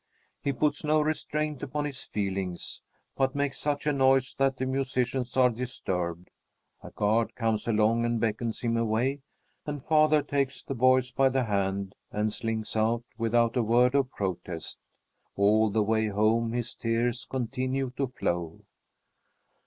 He puts no restraint upon his feelings, but makes such a noise that the musicians are disturbed. A guard comes along and beckons him away, and father takes the boys by the hand and slinks out without a word of protest. All the way home his tears continue to flow.